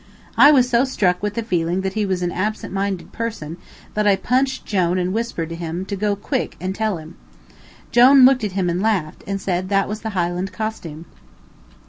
I was so struck with the feeling that he was an absent minded person that I punched Jone and whispered to him to go quick and tell him. Jone looked at him and laughed, and said that was the Highland costume.